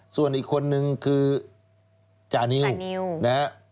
ส่วนอีกคนนึงคือจานิวนะฮะ